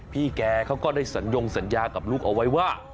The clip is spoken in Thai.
พี่แกเขาก็ได้สัญญงสัญญากับลูกเอาไว้ว่า